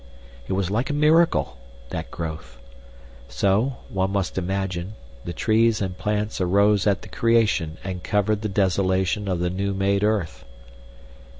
It was like a miracle, that growth. So, one must imagine, the trees and plants arose at the Creation and covered the desolation of the new made earth.